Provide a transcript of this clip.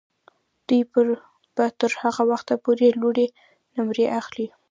دوی به تر هغه وخته پورې لوړې نمرې اخلي.